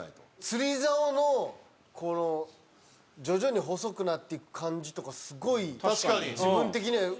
釣り竿のこの徐々に細くなっていく感じとかすごい自分的にはいけた。